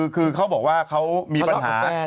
คือเขาบอกว่าเขามีปัญหา